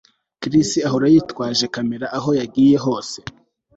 Chris ahora yitwaje kamera aho yagiye hose